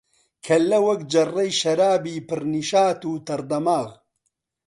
کەللە وەک جەڕڕەی شەرابی پر نیشات و تەڕ دەماغ